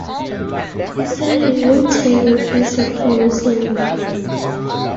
He said he didn't take it as a promise anyway.